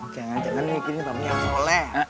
jangan jangan mikirin babunya soleh